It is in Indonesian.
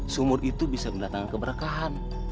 sumur itu bisa mendatangkan keberkahan